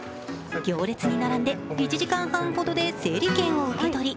行列に並んで１時間半ほどで整理券を受け取り